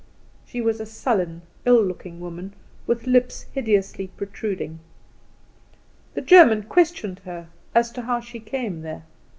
She was a sullen, ill looking woman with lips hideously protruding. The German questioned her as to how she came there.